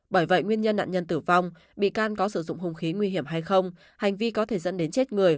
bởi vậy nguyên nhân nạn nhân tử vong bị can có sử dụng hung khí nguy hiểm hay không hành vi có thể dẫn đến chết người